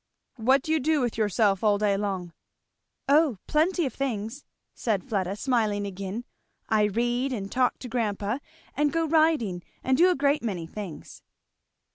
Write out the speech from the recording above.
"What do you do with yourself all day long?" "O plenty of things," said Fleda, smiling again. "I read, and talk to grandpa, and go riding, and do a great many things."